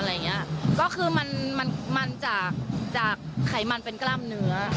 อะไรอย่างนี้ก็คือมันจากไขมันเป็นกล้ามเหนือ